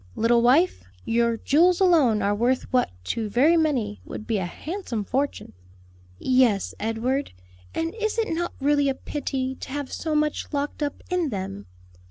"Little wife, your jewels alone are worth what to very many would be a handsome fortune." "Yes, Edward, and is it not really a pity to have so much locked up in them?"